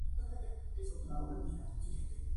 En la costa sur se encuentra el islote de Bosc.